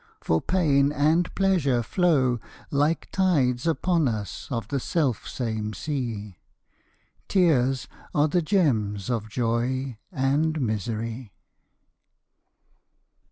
For pain and pleasure flow Like tides upon us of the self same sea. Tears are the gems of joy and misery!